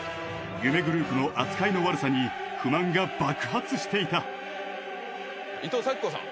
夢グループの扱いの悪さに不満が爆発していた伊藤咲子さん